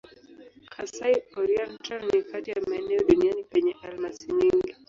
Kasai-Oriental ni kati ya maeneo duniani penye almasi nyingi.